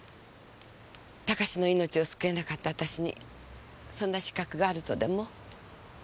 孝志の命を救えなかったあたしにそんな資格があるとでも？